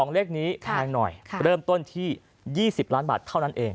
เลขนี้แพงหน่อยเริ่มต้นที่๒๐ล้านบาทเท่านั้นเอง